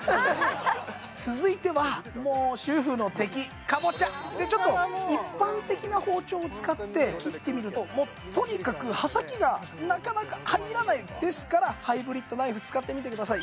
続いてはもう主婦の敵カボチャちょっと一般的な包丁を使って切ってみるととにかく刃先がなかなか入らないですからハイブリッドナイフ使ってみてください